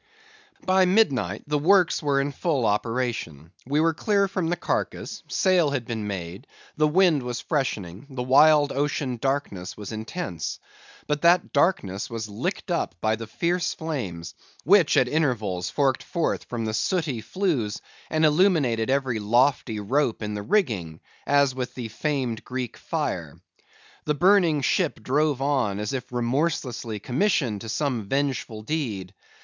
By midnight the works were in full operation. We were clear from the carcase; sail had been made; the wind was freshening; the wild ocean darkness was intense. But that darkness was licked up by the fierce flames, which at intervals forked forth from the sooty flues, and illuminated every lofty rope in the rigging, as with the famed Greek fire. The burning ship drove on, as if remorselessly commissioned to some vengeful deed.